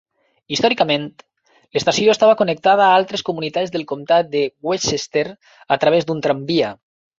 Històricament l'estació estava connectada a altres comunitats del comtat de Westchester a través d'un tramvia.